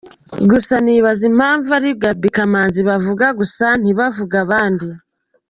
Gusa nibaza impamvu ari Gaby Kamanzi bavuga gusa ntibavuge abandi.